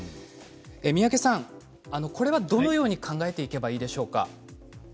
三宅さん、これはどのように考えていけばいいでしょうか。